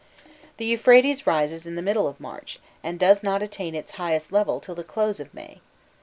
The Euphrates rises in the middle of March, and does not attain its highest level till the close of May.